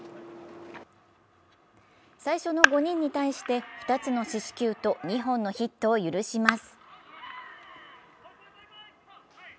最初の５人に対して、２つの四死球と２本のヒットを許します。